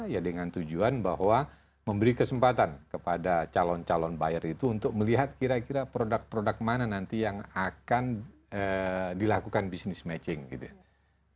ya dengan tujuan bahwa memberi kesempatan kepada calon calon buyer itu untuk melihat kira kira produk produk mana nanti yang akan dilakukan business matching gitu ya